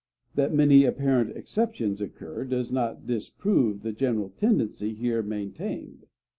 That many apparent exceptions occur does not disprove the general tendency here maintained.